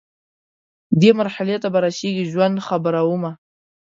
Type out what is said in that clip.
دې مرحلې ته به رسیږي ژوند، خبره ومه